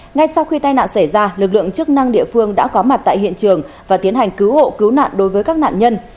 ngay sau khi tai nạn xảy ra lực lượng chức năng địa phương đã có mặt tại hiện trường và tiến hành cứu hộ cứu nạn đối với các nạn nhân